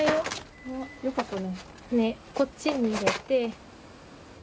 こっちに入れて。